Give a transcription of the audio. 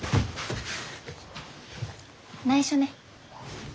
ないしょね。